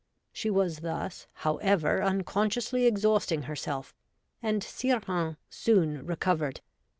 She was thus, however, unconsciously exhausting herself, and Sire Hains soon recovered.